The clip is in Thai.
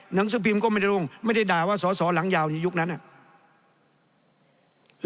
หนังสือพิมพ์ก็ไม่ได้ลงไม่ได้ด่าว่าสอสอหลังยาวในยุคนั้นน่ะ